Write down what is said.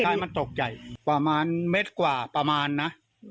คล้ายมันตกใจประมาณเม็ดกว่าประมาณนะ